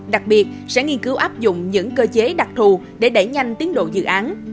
đặc biệt sẽ nghiên cứu áp dụng những cơ chế đặc thù để đẩy nhanh tiến độ dự án